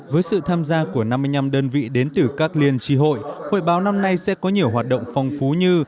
với sự tham gia của năm mươi năm đơn vị đến từ các liên tri hội hội báo năm nay sẽ có nhiều hoạt động phong phú như